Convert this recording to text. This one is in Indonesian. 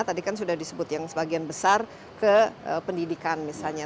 tadi kan sudah disebut yang sebagian besar ke pendidikan misalnya